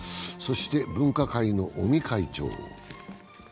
そして分科会の尾身会長。